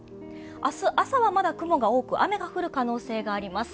明日朝はまだ雲が多く、雨が降る可能性があります。